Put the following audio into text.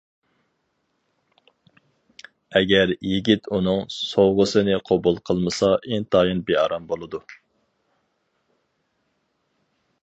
ئەگەر، يىگىت ئۇنىڭ سوۋغىسىنى قوبۇل قىلمىسا ئىنتايىن بىئارام بولىدۇ.